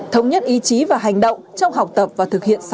thống nhất ý chí và hành động trong học tập và thực hiện